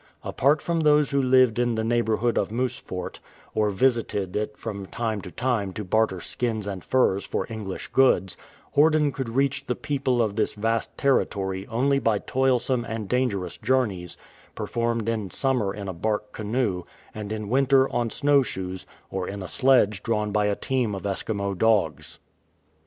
Apart from those who lived in the neighbourhood of Moose Fort, or visited it from time to time to barter skins and furs for English goods, Horden could reach the people of this vast territory only by toilsome and dangerous journeys, per formed in summer in a bark canoe, and in winter on snow shoes or in a sledge drawn by a team of Eskimo dogs.